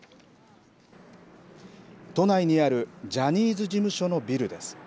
都内にあるジャニーズ事務所のビルです。